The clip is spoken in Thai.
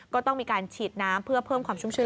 ก็ต้องมีการฉีดน้ำเพื่อเพิ่มความชุ่มชื่น